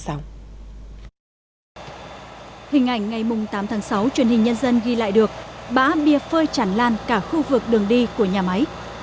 hình ảnh ngày tám tháng sáu truyền hình nhân dân ghi lại được bã bia phơi chẳng lan cả khu vực đường đi của nhà máy